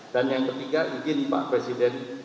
dan yang ketiga izin pak presiden